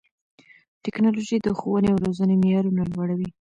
ټیکنالوژي د ښوونې او روزنې معیارونه لوړوي.